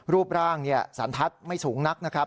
รูปร่างสันทัศน์ไม่สูงนักนะครับ